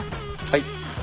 はい。